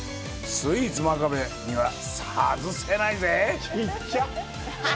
スイーツ真壁には外せないぜ。